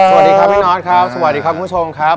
สวัสดีครับพี่นอทครับสวัสดีครับคุณผู้ชมครับ